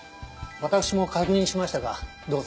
私も確認しましたがどうぞ。